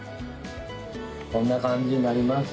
こんな感じになります。